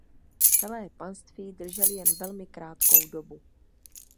Celé panství drželi jen velmi krátkou dobu.